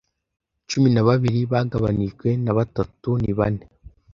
Cumi na babiri bagabanijwe na batatu ni bane.